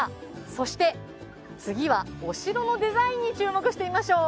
そして次はお城のデザインに注目してみましょう！